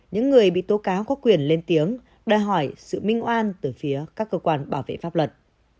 những người bị tố cáo có quyền lên tiếng đòi hỏi sự minh oan từ phía các cơ quan bảo vệ pháp luật